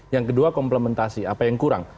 yang kedua komplementasi apa yang kurang